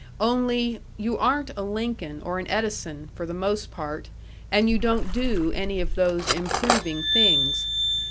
Only you aren't a Lincoln or an Edison, for the most part, and you don't do any of those improving things.